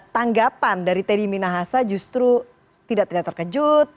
tanggapan dari teddy minahasa justru tidak terkejut